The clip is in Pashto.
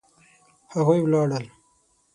هغوی ولاړل